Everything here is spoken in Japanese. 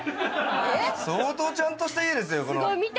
相当ちゃんとした家ですよ。